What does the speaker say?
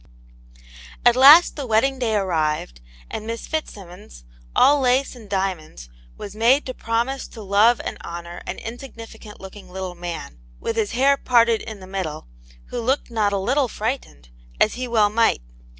At last the wedding day arrived, and Miss Fitz simmons, all lace and diamonds, was made to promise to love and honour an insignificant looking little man, with his hair parted in the middle, who looked not a little frightened, as well he might.